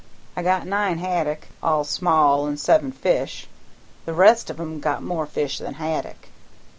I got nine haddick, all small, and seven fish; the rest on 'em got more fish than haddick.